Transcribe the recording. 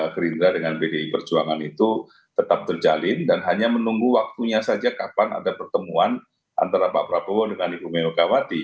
gerindra dengan pdi perjuangan itu tetap terjalin dan hanya menunggu waktunya saja kapan ada pertemuan antara pak prabowo dengan ibu megawati